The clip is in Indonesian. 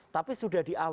tapi sudah dikendalikan